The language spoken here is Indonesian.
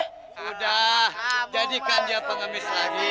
sudah jadikan dia pengemis lagi